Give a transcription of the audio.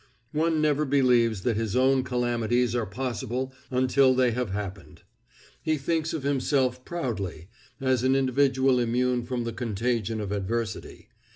One never believes that his own calamities are possible until they have happened. He thinks of himself proudly, as an individual immune from the contagion of adversity.